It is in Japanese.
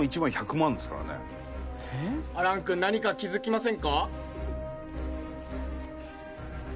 亜嵐君何か気付きませんか？